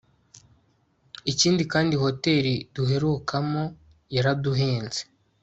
Ikindi kandi hoteli duherukamo yaraduhenze